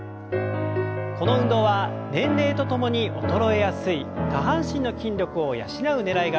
この運動は年齢とともに衰えやすい下半身の筋力を養うねらいがあります。